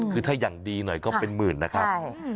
คือถ้าอย่างดีหน่อยก็เป็นหมื่นนะครับ